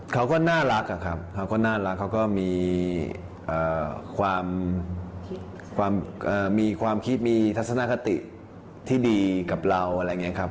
เขาก็น่ารักอะครับเขาก็น่ารักเขาก็มีความคิดมีทัศนคติที่ดีกับเราอะไรอย่างนี้ครับ